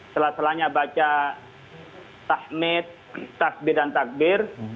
setelah salahnya baca tahmid takbir dan takbir